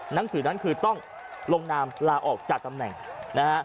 หนังสือนั้นคือต้องลงนามลาออกจากตำแหน่งนะฮะ